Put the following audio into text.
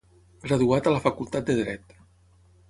Graduat a la facultat de dret.